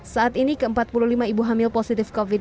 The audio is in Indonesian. saat ini ke empat puluh lima ibu hamil positif covid sembilan belas